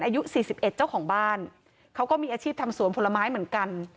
อายุ๔๑เจ้าของบ้านเขาก็มีอาชีพทำสวนผลไม้เหมือนกัน